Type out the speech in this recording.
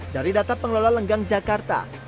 dari data pengelola lenggang jakarta